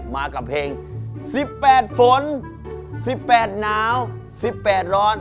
มากับเพลงสิบแปดฝนสิบแปดหนาวสิบแปดร้อน